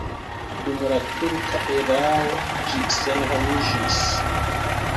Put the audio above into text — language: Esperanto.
Dum la turka erao ĝi senhomiĝis.